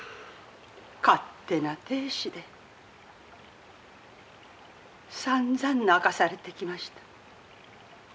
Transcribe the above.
「勝手な亭主でさんざん泣かされてきました」。